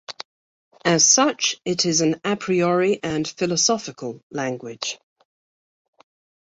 As such it is an "a priori" and "philosophical" language.